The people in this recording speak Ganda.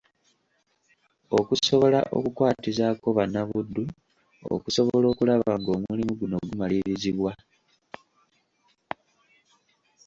Okusobola okukwatizaako bannabuddu okusobola okulaba ng'omulimu guno gumalirizibwa.